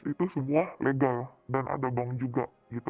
itu semua legal dan ada bank juga